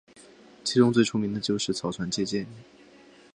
其中最出名的就是草船借箭。